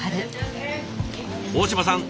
大嶋さん